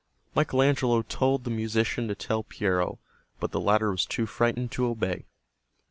Michael Angelo told the musician to tell Piero, but the latter was too frightened to obey.